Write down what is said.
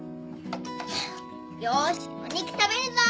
よしお肉食べるぞ。